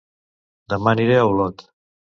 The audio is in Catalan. Dema aniré a Olot